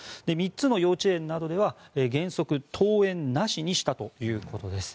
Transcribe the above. ３つの幼稚園などでは原則登園なしにしたということです。